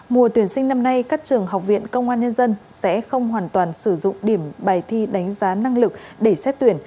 mùa tuyển sinh năm nay các trường học viện công an nhân dân sẽ không hoàn toàn sử dụng điểm bài thi đánh giá năng lực để xét tuyển